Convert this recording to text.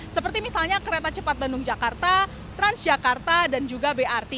seperti misalnya kereta cepat bandung jakarta transjakarta dan juga brt